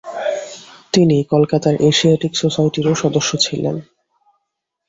তিনি কলকাতার এশিয়াটিক সোসাইটিরও সদস্য ছিলেন।